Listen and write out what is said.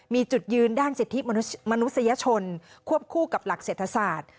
มีจุดยืนด้านสิทธิมนุษยชนควบคู่กับหลักเศรษฐศาสตร์